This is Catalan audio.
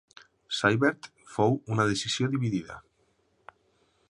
Seibert fou una decisió dividida.